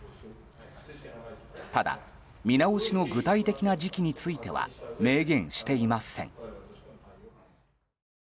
ただ、見直しの具体的な時期については明言していません。